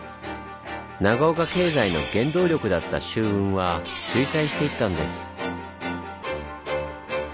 長岡経済の原動力だった舟運は衰退していったんです。